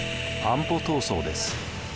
安保闘争です。